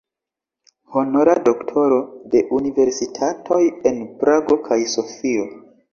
Honora doktoro de universitatoj en Prago kaj Sofio.